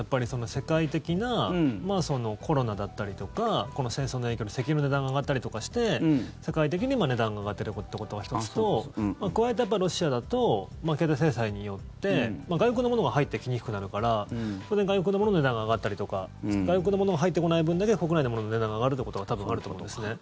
世界的なコロナだったりとかこの戦争の影響で石油の値段が上がったりとかして世界的に値段が上がっているということが１つと加えてロシアだと経済制裁によって外国のものが入ってきにくくなるから当然、外国のものの値段が上がったりとか外国のものが入ってこない分だけ国内のものの値段が上がるということが多分あると思うんですね。